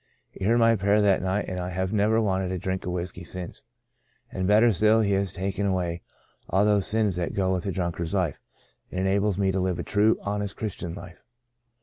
He heard my prayer that night and I have never wanted a drink of whiskey since, and better still He has taken away all those sins that go with a drunkard's life, and enables me to live a true, honest Christian life.